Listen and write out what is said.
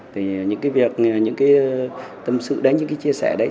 thì những cái việc những cái tâm sự đấy những cái chia sẻ đấy